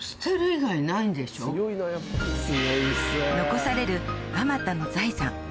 残されるあまたの財産